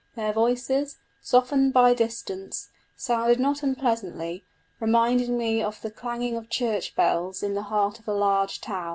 Their voices, softened by distance, sounded not unpleasantly, reminding me of the clanging of church bells in the heart of a large town."